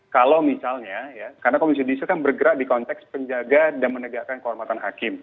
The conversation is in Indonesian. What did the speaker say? kalau misalnya ya karena komisi judisial kan bergerak di konteks penjaga dan menegakkan kehormatan hakim